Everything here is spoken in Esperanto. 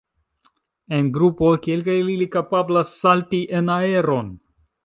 En grupo kelkaj el ili kapablas salti en aeron.